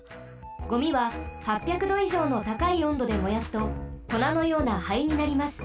ゴミは８００どいじょうのたかいおんどで燃やすとこなのような灰になります。